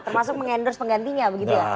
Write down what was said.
termasuk mengendorse penggantinya begitu ya